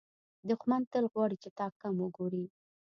دښمن تل غواړي چې تا کم وګوري